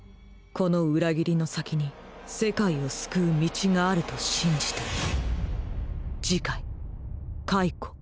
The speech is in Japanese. この裏切りの先に世界を救う道があると信じて